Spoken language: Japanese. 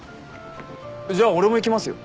じゃあ俺も行きますよ。